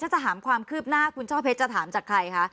ถ้าจะถามความคืบหน้าคุณช่อเพชรจะถามจากใครคะ